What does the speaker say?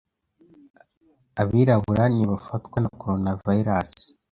abirabura ntibafatwa na coronavirus